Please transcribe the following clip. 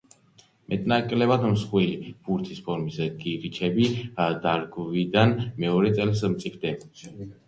მეტნაკლებად მსხვილი, ბურთის ფორმის გირჩები დარგვიდან მეორე წელს მწიფდება.